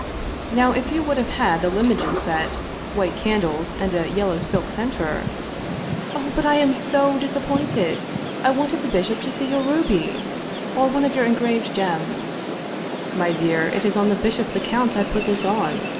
Now if you would have had the Limoges set, white candles, and a yellow silk center "" Oh, but — I'm so disappointed — I wanted the bishop to see your ruby — or one of your engraved gems "" My dear, it is on the bishop's account I put this on.